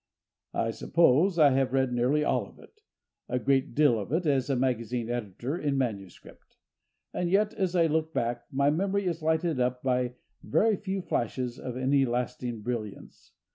I suppose I have read nearly all of it—a great deal of it, as a magazine editor, in manuscript—and yet, as I look back, my memory is lighted up by very few flashes of any lasting brilliance.